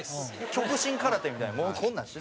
極真空手みたいなこんなんしないです。